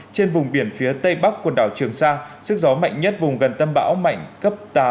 trên vùng biển phía tây bắc quần đảo trường sa sức gió mạnh nhất vùng gần tâm bão mạnh cấp tám